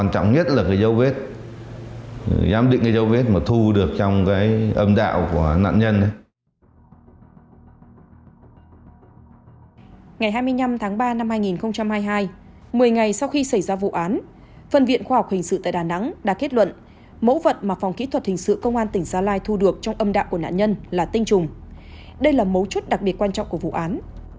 trong năm hai nghìn hai mươi hai một mươi ngày sau khi xảy ra vụ án phân viện khoa học hình sự tại đà nẵng đã kết luận mẫu vật mà phòng kỹ thuật hình sự công an tỉnh gia lai thu được trong âm đạo của nạn nhân là tinh trùng đây là mấu chút đặc biệt quan trọng của vụ án